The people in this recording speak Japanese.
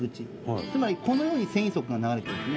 つまりこのように繊維束が流れているんですね。